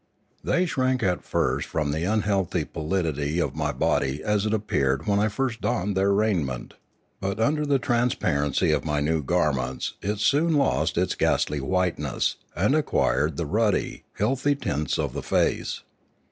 They shrank at first from the unhealthy pallidity of my body as it appeared when I first donned their rai ment, but under the transparency of my new garments it soon lost its ghastly whiteness and acquired the ruddy, healthy tints of the face.